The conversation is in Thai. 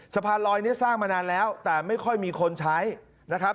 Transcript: สะพานลอยนี้สร้างมานานแล้วแต่ไม่ค่อยมีคนใช้นะครับ